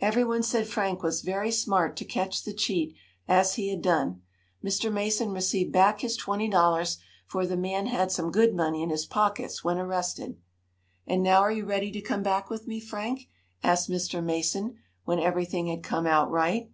Everyone said Frank was very smart to catch the cheat as he had done. Mr. Mason received back his twenty dollars, for the man had some good money in his pockets when arrested. "And now are you ready to come back with me, Frank?" asked Mr. Mason, when everything had come out right.